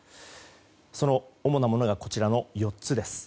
その主なものがこちらの４つです。